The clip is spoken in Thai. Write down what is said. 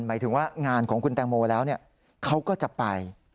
หมายถึงว่างานของคุณแตงโมแล้วเขาก็จะไป